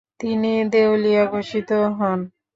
তিনি দেউলিয়া ঘোষিত হন।